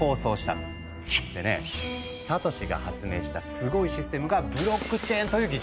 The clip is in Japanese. でねサトシが発明したすごいシステムが「ブロックチェーン」という技術。